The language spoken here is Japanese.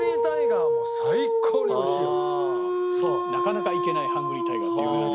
なかなか行けないハングリータイガーって有名。